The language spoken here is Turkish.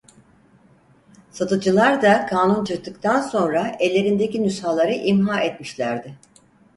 Satıcılar da kanun çıktıktan sonra ellerindeki nüshaları imhâ etmişlerdi.